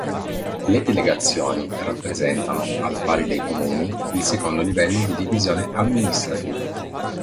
Le delegazioni rappresentano, al pari dei comuni, il secondo livello di divisione amministrativa.